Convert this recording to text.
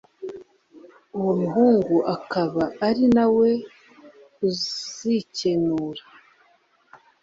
uwo muhungu akaba ari na we uzikenura.